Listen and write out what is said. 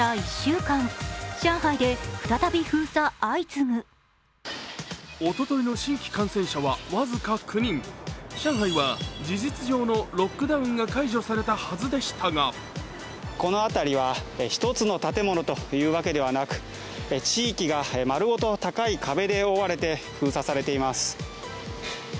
続いてはおとといの新規感染者は僅か９人上海は事実上のロックダウンが解除されたはずでしたがこの辺りは１つの建物というわけではなく地域が丸ごと高い壁で覆われて封鎖されています。